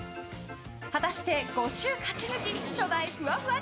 果たして５週勝ち抜き初代ふわふわ